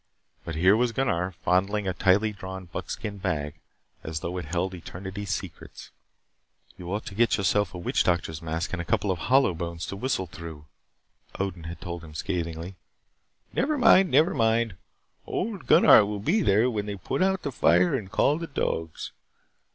But here was Gunnar fondling a tightly drawn buckskin bag as though it held eternity's secrets. "You ought to get yourself a witch doctor's mask and a couple of hollowbones to whistle through," Odin had told him scathingly. "Never mind. Never mind. Old Gunnar will be there when they put out the fire and call the dogs.